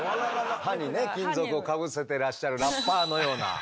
歯にね金属をかぶせてらっしゃるラッパーのような。